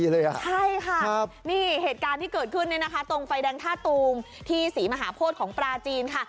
ใช่ค่ะนี่เหตุการณ์ที่เกิดขึ้นเนี่ยนะคะตรงไฟแดงท่าตูมที่ศรีมหาโพธิของปลาจีนค่ะ